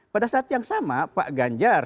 pada saat yang sama pak ganjar